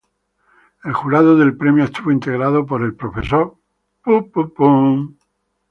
El jurado del premio estuvo integrado por el Prof.